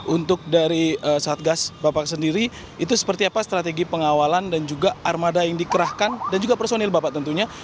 untuk dari satgas bapak sendiri itu seperti apa strategi pengawalan dan juga armada yang dikerahkan dan juga personil bapak tentunya